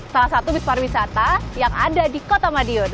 salah satu bis pariwisata yang ada di kota madiun